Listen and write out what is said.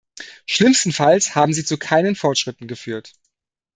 Schlimmstenfalls haben sie zu keinen Fortschritten geführt.